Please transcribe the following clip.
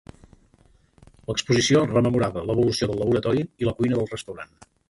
L'exposició rememorava l'evolució del laboratori i la cuina del restaurant.